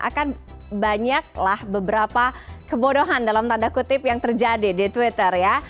akan banyaklah beberapa kebodohan dalam tanda kutip yang terjadi di twitter ya